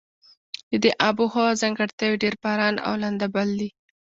د دې آب هوا ځانګړتیاوې ډېر باران او لنده بل دي.